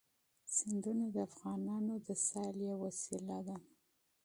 سیندونه د افغانانو د تفریح یوه وسیله ده.